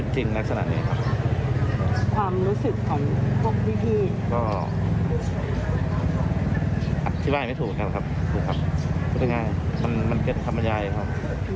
อธิบายไม่ถูกครับมันเป็นธรรมยายครับ